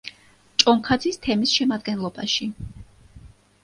ჭონქაძის თემის შემადგენლობაში.